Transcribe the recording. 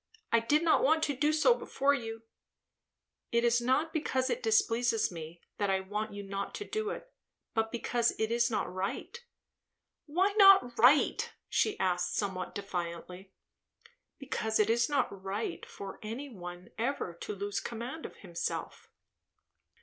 "I did not want to do so before you." "It is not because it displeases me, that I want you not to do it; but because it is not right." "Why not right?" she asked somewhat defiantly. "Because it is not right for any one ever to lose command of himself."